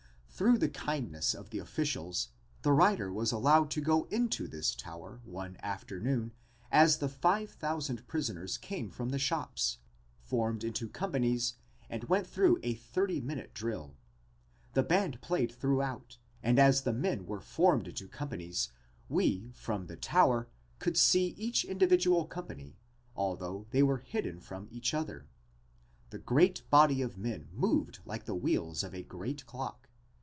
Through the kindness of the officials the writer was allowed to go into this tower one afternoon as the five thousand prisoners came from the shops, formed into companies and went through a thirty minute drill. The band played throughout and as the men were formed into companies we from the tower could see each individual company although they were hidden from each other. The great body of men moved like the wheels of a great clock.